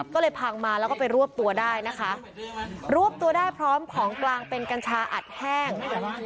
ก็เลยพังมาแล้วก็ไปรวบตัวได้นะคะรวบตัวได้พร้อมของกลางเป็นกัญชาอัดแห้ง